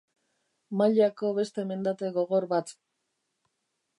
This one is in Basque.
Mailako beste mendate gogor bat.